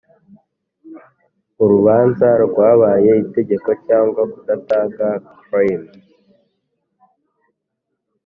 urubanza rwabaye itegeko cyangwa kudatanga claim